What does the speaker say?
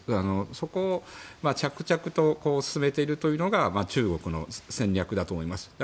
そこを着々と進めているというのが中国の戦略だと思います。